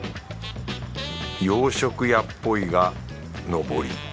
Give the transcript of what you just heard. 洋食屋っぽいがのぼり。